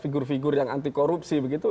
figur figur yang anti korupsi begitu